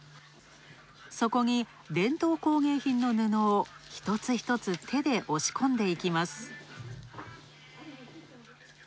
そこに伝統工芸品の布を１つ１つ手で押し込んでいきます。